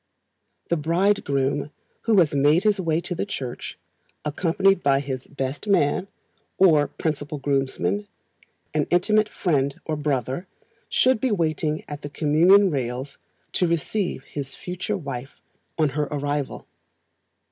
The Bridegroom, who has made his way to the church, accompanied by his "best man," or principal groomsman an intimate friend or brother should be waiting at the communion rails to receive his future wife on her arrival.